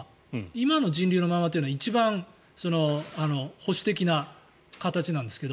今の人流のままというのは一番保守的な形なんですけど。